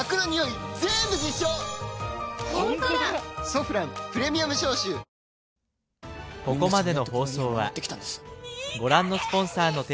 「ソフランプレミアム消臭」・おかえり。